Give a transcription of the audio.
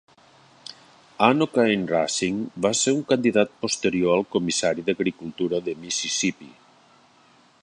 Ann O'Cain Rushing va ser un candidat posterior al comissari d'agricultura de Mississippi.